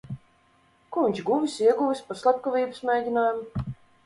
Ko viņš guvis, ieguvis par slepkavības mēģinājumu.